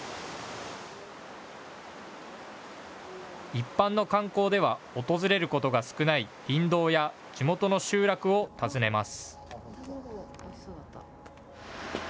一般の観光では訪れることが少ない林道や地元の集落を訪ねます。